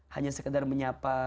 hanya sekedar menyapa